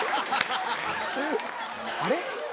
あれ？